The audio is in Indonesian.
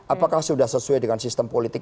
apakah sudah sesuai dengan sistem politik